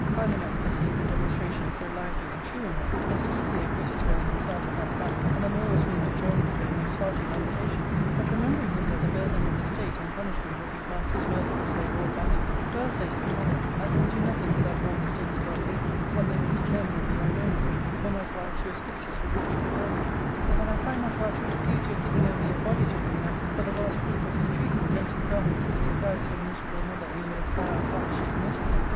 Philanax perceived the demonstration so lively and true in her that he easily acquitted her in his heart of that fact, and the more was naoved to join with her in most hearty lamentation. But, remembering him that the burthen of the state and punishment of his master^s murtherers lay all upon him, " Well," said he, "madam, I can do nothing without all the states of Arcadia ; what they will determine of you I know not ; for my part, your speeches would much prevail with me, but that I find not how to excuse your giving over your body to him that, for the last proof of his treason, lent his garments to disguise your miserable mother in the most vile fact she committed.